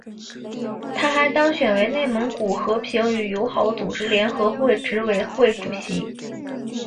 他还当选为蒙古和平与友好组织联合会执委会主席。